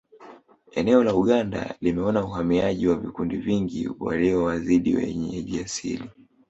Eneo la Uganda limeona uhamiaji wa vikundi vingi waliowazidi wenyeji asili